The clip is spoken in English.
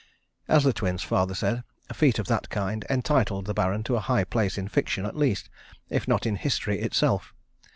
As the Twins' father said, a feat of that kind entitled the Baron to a high place in fiction at least, if not in history itself.